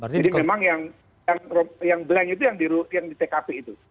jadi memang yang belain itu yang di tkp itu